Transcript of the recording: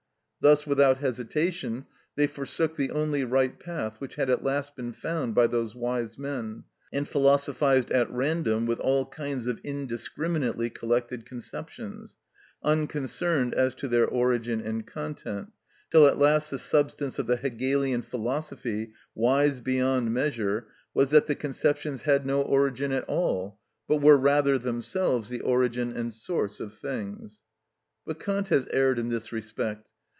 Thus without hesitation they forsook the only right path which had at last been found by those wise men, and philosophised at random with all kinds of indiscriminately collected conceptions, unconcerned as to their origin and content, till at last the substance of the Hegelian philosophy, wise beyond measure, was that the conceptions had no origin at all, but were rather themselves the origin and source of things. But Kant has erred in this respect.